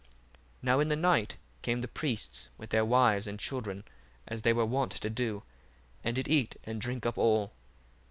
1:15 Now in the night came the priests with their wives and children, as they were wont to do, and did eat and drinck up all.